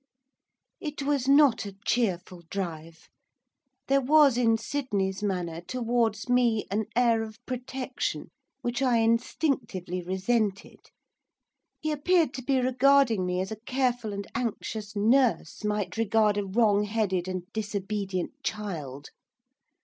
It was not a cheerful drive. There was in Sydney's manner towards me an air of protection which I instinctively resented, he appeared to be regarding me as a careful, and anxious, nurse might regard a wrong headed and disobedient child.